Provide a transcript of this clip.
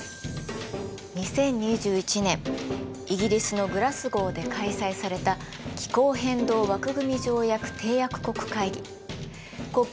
２０２１年イギリスのグラスゴーで開催された気候変動枠組み条約締約国会議ＣＯＰ